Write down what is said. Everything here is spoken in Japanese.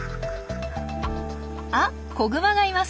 あ子グマがいます。